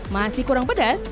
masih kurang pedas